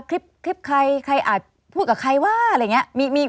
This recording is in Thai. คลิปใครใครอาจพูดกับใครว่าอะไรอย่างนี้